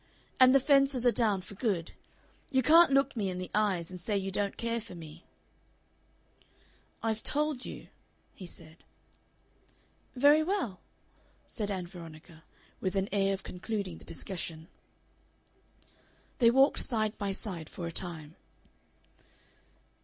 And the fences are down for good. You can't look me in the eyes and say you don't care for me." "I've told you," he said. "Very well," said Ann Veronica, with an air of concluding the discussion. They walked side by side for a time.